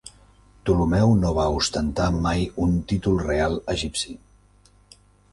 Ptolomeu no va ostentar mai un títol real egipci.